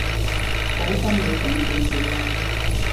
好心你醒少少啦